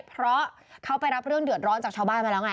เพราะเขาไปรับเรื่องเดือดร้อนจากชาวบ้านมาแล้วไง